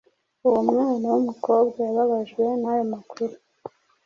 Uwo mwana w’umukobwa yababajwe n’ayo makuru